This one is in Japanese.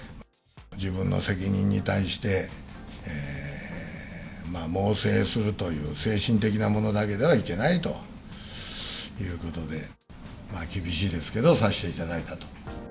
自分の責任に対して、猛省するという、精神的なものだけではいけないということで、厳しいですけど、させていただいたと。